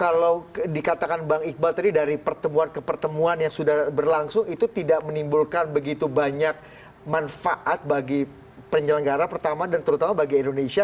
kalau dikatakan bang iqbal tadi dari pertemuan ke pertemuan yang sudah berlangsung itu tidak menimbulkan begitu banyak manfaat bagi penyelenggara pertama dan terutama bagi indonesia